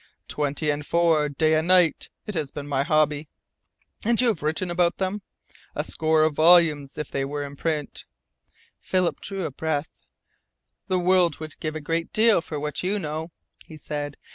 "Twenty and four, day and night; it has been my hobby." "And you have written about them?" "A score of volumes, if they were in print." Philip drew a deep breath. "The world would give a great deal for what you know," he said.